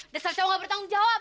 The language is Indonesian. desak cowok gak bertanggung jawab